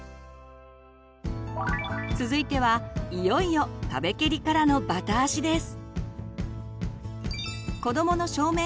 続いてはいよいよ壁けりからのバタ足です。